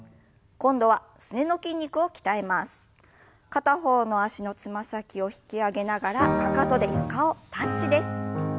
片方の脚のつま先を引き上げながらかかとで床をタッチです。